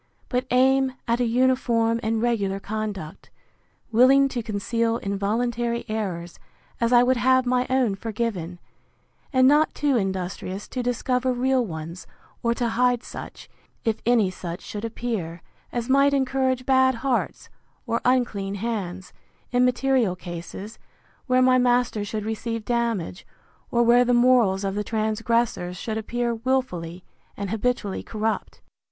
but aim at an uniform and regular conduct, willing to conceal involuntary errors, as I would have my own forgiven; and not too industrious to discover real ones, or to hide such, if any such should appear, as might encourage bad hearts, or unclean hands, in material cases, where my master should receive damage, or where the morals of the transgressors should appear wilfully and habitually corrupt.